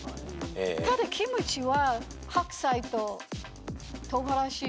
ただキムチは白菜と唐辛子と。